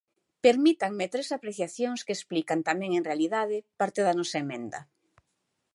Permítanme tres apreciacións que explican tamén en realidade parte da nosa emenda.